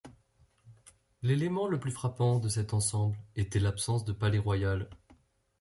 L'élément le plus frappant de cet ensemble était l'absence de palais royal.